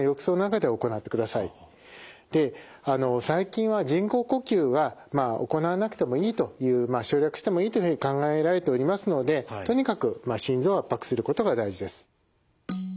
で最近は人工呼吸はまあ行わなくてもいいという省略してもいいというふうに考えられておりますのでとにかく心臓を圧迫することが大事です。